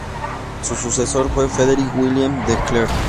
Su sucesor fue Frederik Willem de Klerk.